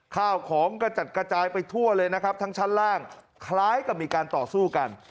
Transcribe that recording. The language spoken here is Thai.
ข้าวของกระจัดกระจายไปทั่วเลยนะครับทั้งชั้นล่างคล้ายกับมีการต่อสู้กัน